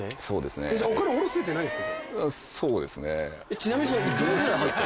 ちなみに。